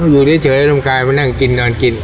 อยู่เฉยน้องกายมานั่งกินนอนกิน